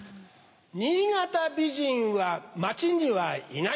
新潟美人は街にはいない。